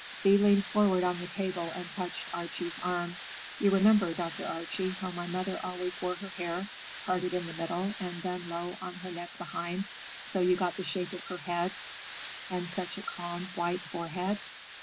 Thea leaned forward on the table and touched Archie's arm. "You remember, Dr. Archie, how my mother always wore her hair, parted in the middle and done low on her neck behind, so you got the shape of her head and such a calm, white forehead?